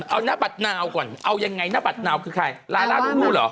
เอานักบัดนาวก่อนเอาไงนักบัดนาวคือใครลาลาหรูเหรอ